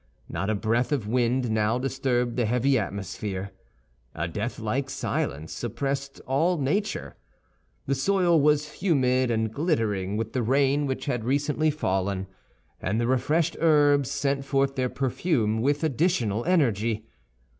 Not a breath of wind now disturbed the heavy atmosphere. A deathlike silence oppressed all nature. The soil was humid and glittering with the rain which had recently fallen, and the refreshed herbs sent forth their perfume with additional energy.